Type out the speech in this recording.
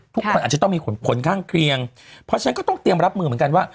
ทุกคนอาจจะต้องมีผลข้างเคียงเพราะฉะนั้นก็ต้องเตรียมรับมือเหมือนกันว่า